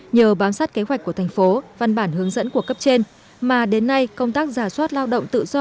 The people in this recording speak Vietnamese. nhờ bám sát kế hoạch của thành phố văn bản hướng dẫn của cấp trên mà đến nay công tác giả soát lao động tự do